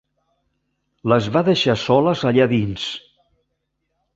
Les va deixar soles allà dins!